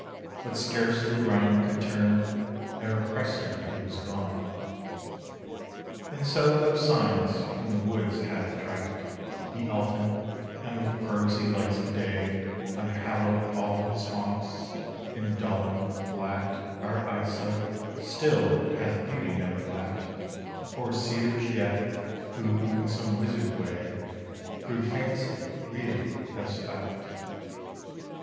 but scarcely 'round could turn Ere, presto! he was gone. And so though Science from the woods hath tracked The Elfin; and with prosy lights of day Unhallowed all his haunts; and, dulling, blacked Our eyesight, still hath Beauty never lacked For seers yet; who, in some wizard way, Prove Fancy real as Fact.